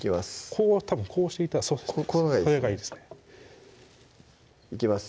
こうたぶんこうしてこのほうがいいですねいきます